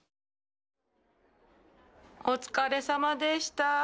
お疲れさまでした。